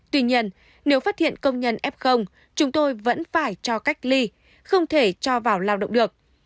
tuy nhiên nếu phát hiện công nhân f chúng tôi vẫn phải cho cách ly không thể cho vào lao động được